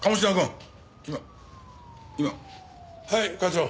はい課長。